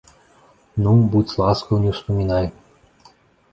Ну, будзь ласкаў, не ўспамінай!